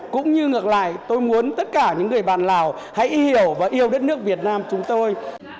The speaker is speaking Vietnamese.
cũng như ngược lại tôi muốn tất cả những người bạn lào hãy hiểu và yêu đất nước việt nam chúng tôi